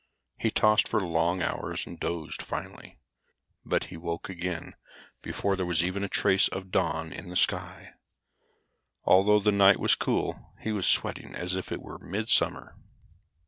He tossed for long hours and dozed finally, but he awoke again before there was even a trace of dawn in the sky. Although the night was cool he was sweating as if it were mid summer.